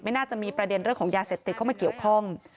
น่าจะมีประเด็นเรื่องของยาเสพติดเข้ามาเกี่ยวข้อง